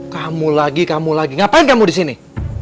kamu lagi kamu lagi ngapain kamu disini